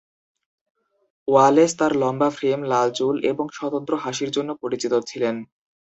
Wallace তার লম্বা frame, লাল চুল এবং স্বতন্ত্র হাসির জন্য পরিচিত ছিলেন।